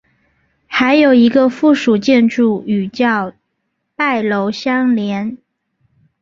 还有一个附属建筑与叫拜楼相连。